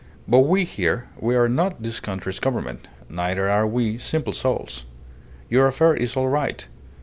But we here we are not this country's Government, neither are we simple souls. Your affair is all right.